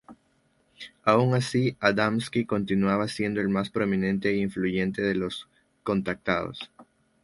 Aun así, Adamski continuaba siendo el más prominente, e influyente, de los contactados.